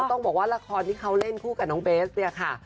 ต้องบอกว่าละครที่เขาเล่นคู่กับน้องเบสเนี่ยค่ะ